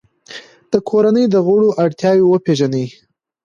د کورنۍ د غړو اړتیاوې وپیژنئ.